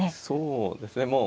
そうですね